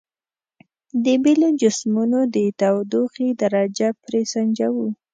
د بیلو جسمونو د تودوخې درجه پرې سنجوو.